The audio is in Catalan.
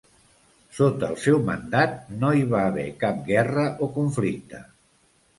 Sota el seu mandat, no hi va haver cap guerra o conflicte.